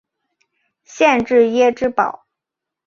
县治耶芝堡。